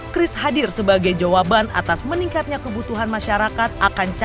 kris hadir sebagai jawaban atas meningkatnya kebutuhan masyarakat akan cara perubahan bank indonesia